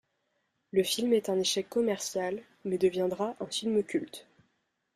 Le film est un échec commercial mais deviendra un film culte.